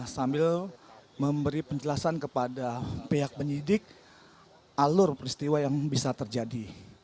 sambil memberi penjelasan kepada pihak penyidik alur peristiwa yang bisa terjadi